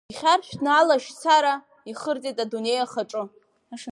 Ихьаршәҭны алашьцара, ихыртит адунеи ахаҿы.